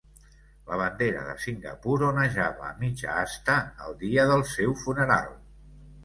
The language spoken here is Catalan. La bandera de Singapur onejava a mitja asta el dia del seu funeral.